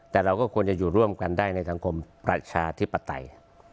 แต่เราก็ควรจะอยู่ร่วมกันได้ในสังคมประชาธิปไตย